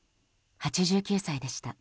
８９歳でした。